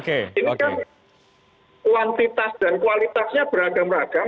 ini kan kuantitas dan kualitasnya beragam ragam